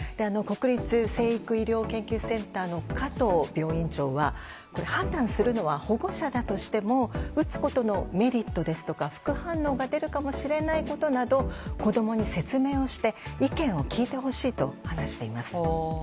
国立成育医療研究センターの賀藤病院長は判断するのは保護者だとしても打つことのメリットですとか副反応が出るかもしれないことなど子供に説明をして意見を聞いてほしいと話しています。